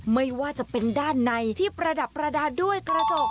ไม่ว่าจะเป็นด้านในที่ประดับประดาษด้วยกระจก